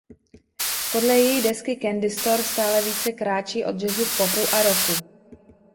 Podle její desky "Candy Store" stále více kráčí od jazzu k popu a rocku.